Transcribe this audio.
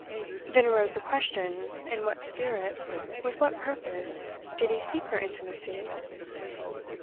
Then arose the question, in what spirit, with what purpose, did he seek her intimacy?